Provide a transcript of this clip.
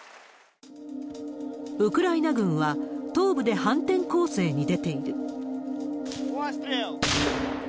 ウクライナ軍は東部で反転攻勢に出ている。